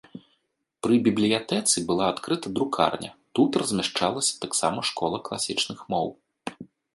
Пры бібліятэцы была адкрыта друкарня, тут размяшчалася таксама школа класічных моў.